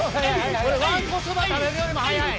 これわんこそば食べるよりも速い。